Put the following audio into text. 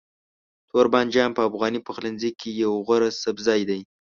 توربانجان په افغاني پخلنځي کې یو غوره سبزی دی.